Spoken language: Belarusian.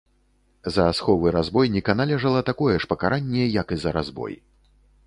За сховы разбойніка належала такое ж пакаранне, як і за разбой.